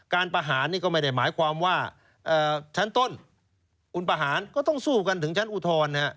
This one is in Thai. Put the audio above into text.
ประหารนี่ก็ไม่ได้หมายความว่าชั้นต้นอุณประหารก็ต้องสู้กันถึงชั้นอุทธรณ์